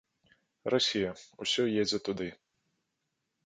Расія, усё едзе туды.